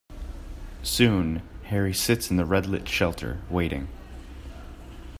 Soon, Harry sits in the red lit shelter, waiting.